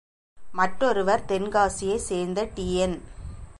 மற்றொருவர் தென்காசியைச் சேர்ந்த டி.என்.